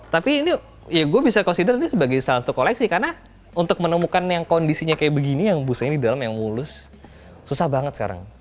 tapi ini ya gue bisa cosidar ini sebagai salah satu koleksi karena untuk menemukan yang kondisinya kayak begini yang busanya di dalam yang mulus susah banget sekarang